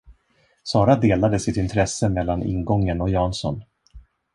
Sara delade sitt intresse mellan ingången och Jansson.